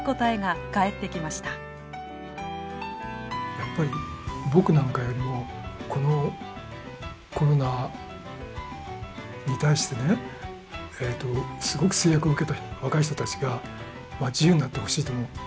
やっぱり僕なんかよりもこのコロナに対してねすごく制約を受けた若い人たちが自由になってほしいと思う。